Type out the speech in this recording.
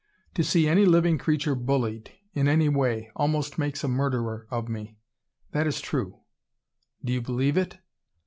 To see any living creature BULLIED, in any way, almost makes a murderer of me. That is true. Do you believe it